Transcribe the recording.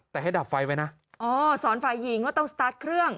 แต่ให้ดับไฟไว้นะอ๋อสอนฝ่ายหญิงว่าต้องสตาร์ทเครื่อง